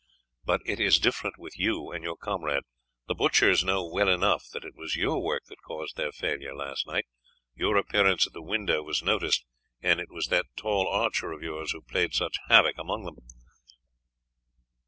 But it is different with you and your comrade. The butchers know well enough that it was your work that caused their failure last night. Your appearance at the window was noticed, and it was that tall archer of yours who played such havoc among them.